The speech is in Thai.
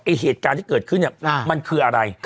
เหตุการณ์ที่เกิดขึ้นเนี่ยมันคืออะไร